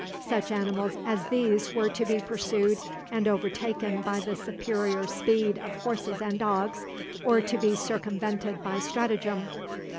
Such animals as these were to be pursued and overtaken by the superior speed of horses and dogs, or to be circumvented by stratagem.